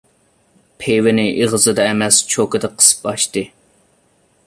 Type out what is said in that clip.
پىۋىنى ئېغىزىدا ئەمەس، چوكىدا قىسىپ ئاچتى.